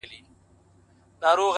هره شېبه د سم تصمیم وخت کېدای شي